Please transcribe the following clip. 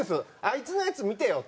「あいつのやつ見てよ」